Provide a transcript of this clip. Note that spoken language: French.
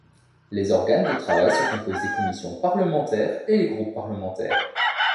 Les organes de travail se composent des commissions parlementaires et les groupes parlementaires.